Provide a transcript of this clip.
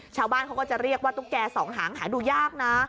ชาวบ้านเขาก็จะเรียกว่าตุ๊กแก่สองหางหาดูยากนะ